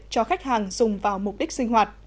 cho khách hàng dùng vào mục đích sinh hoạt